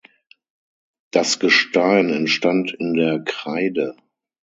Das Gestein entstand in der Kreide.